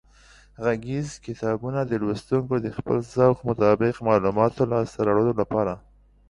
غږیز کتابونه د لوستونکو د خپل ذوق مطابق معلوماتو لاسته راوړلو لپاره